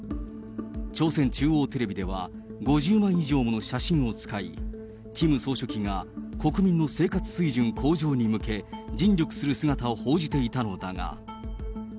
朝鮮中央テレビでは、５０枚以上もの写真を使い、キム総書記が国民の生活水準向上に向け、尽力する姿を報じていたのだが。